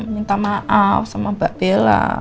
minta maaf sama mbak bella